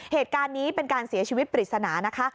เหตุการณ์นี้เป็นการเสียชีวิตปริศนานะคะ